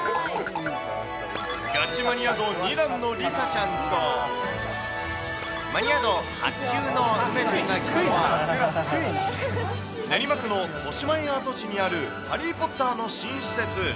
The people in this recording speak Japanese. ガチマニア度２段の梨紗ちゃんと、マニア度８級の梅ちゃんが来たのは、練馬区のとしまえん跡地にあるハリー・ポッターの新施設。